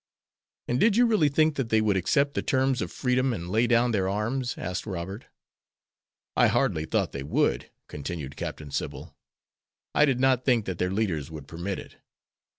'" "And did you really think that they would accept the terms of freedom and lay down their arms?" asked Robert. "I hardly thought they would," continued Captain Sybil. "I did not think that their leaders would permit it.